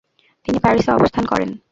তিনি প্যারিসে অবস্থান করেন।